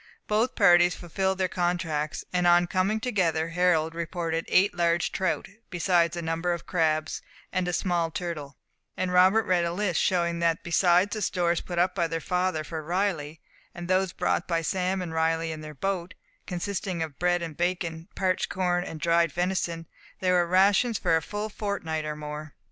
Both parties fulfilled their contracts, and on coming together, Harold reported eight large trout, besides a number of crabs, and a small turtle; and Robert read a list, showing that besides the stores put up by their father for Riley, and those brought by Sam and Riley in their boat, consisting of bread and bacon, parched corn and dried venison, there were rations for a full fortnight or more.